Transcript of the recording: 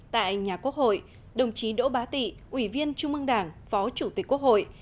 tại nhà quốc hội đồng chí đỗ bá tị ủy viên trung ương đảng phó chủ tịch quốc hội